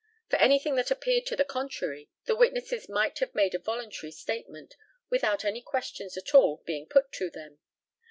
For anything that appeared to the contrary, the witnesses might have made a voluntary statement, without any questions at all being put to them.